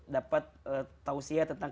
dapat tausia tentang